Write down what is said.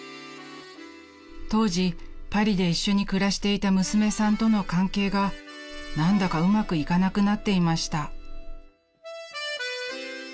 ［当時パリで一緒に暮らしていた娘さんとの関係が何だかうまくいかなくなっていました］